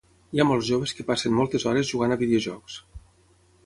Hi ha molts joves que passen moltes hores jugant a videojocs.